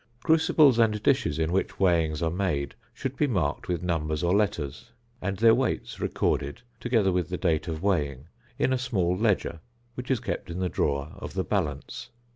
Crucibles and dishes in which weighings are made should be marked with numbers or letters; and their weights recorded, together with the date of weighing, in a small ledger, which is kept in the drawer of the balance.